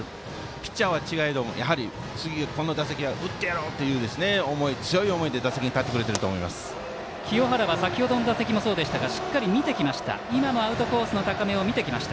ピッチャーは違えどやはり次、この打席は打ってやろうという強い思いで打席に立ってくれてる清原は先ほどの打席もそうでしたがしっかりと見てきています。